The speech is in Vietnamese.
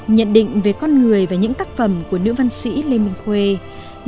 nhận định về con người và những tác phẩm của nữ văn chương